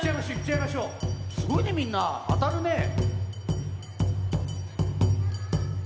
すごいねみんなあたるねえ。